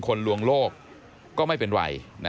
ลวงโลกก็ไม่เป็นไร